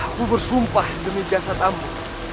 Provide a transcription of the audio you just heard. aku bersumpah demi jasad ambo